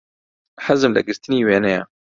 حەزم لە گرتنی وێنەیە.